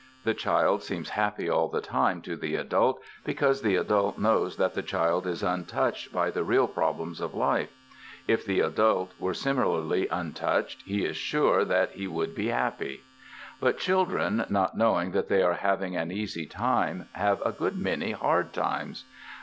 The child seems happy all the time to the adult, because the adult knows that the child is untouched by the real problems of life; if the adult were similarly untouched he is sure that he would be happy. But children, not knowing that they are having an easy time, have a good many hard times.